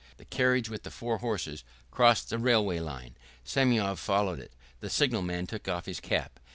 The carriage with the four horses crossed the railway line; Semyon followed it. The signalman took off his cap.